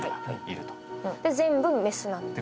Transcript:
で全部メスなんですね。